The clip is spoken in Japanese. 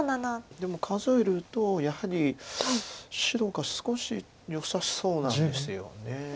でも数えるとやはり白が少しよさそうなんですよね。